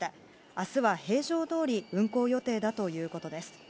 明日は平常どおり運行予定だということです。